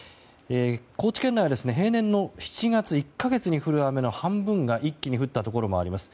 高知県内は平年の７月１か月に降る雨の半分が一気に降ったところもあります。